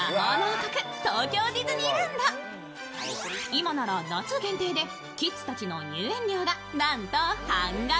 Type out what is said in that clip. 今なら夏限定でキッズたちの入園料がなんと半額。